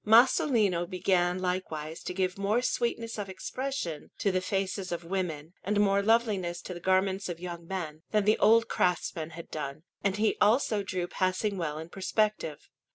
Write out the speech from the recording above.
Masolino began likewise to give more sweetness of expression to the faces of women, and more loveliness to the garments of young men, than the old craftsmen had done; and he also drew passing well in perspective.